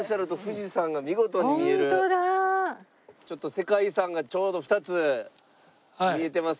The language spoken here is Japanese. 世界遺産がちょうど２つ見えてます。